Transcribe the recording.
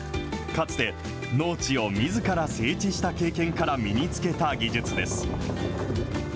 かつて、農地をみずから整地した経験から身につけた技術です。